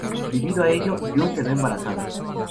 Debido a ello, Jun quedó embarazada.